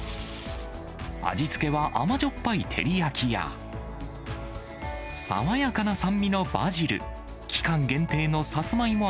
味付けは甘じょっぱい照り焼きや、爽やかな酸味のバジル、期間限定のサツマイモ